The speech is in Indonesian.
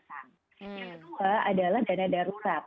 yang kedua adalah dana darurat